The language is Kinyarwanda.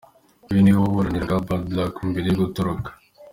Uyu ni we waburaniraga Bad Black mbere yo gutoroka.